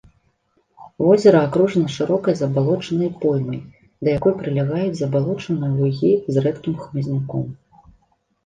Возера акружана шырокай забалочанай поймай, да якой прылягаюць забалочаныя лугі з рэдкім хмызняком.